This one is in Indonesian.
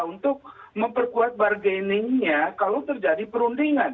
untuk memperkuat bargaining nya kalau terjadi perundingan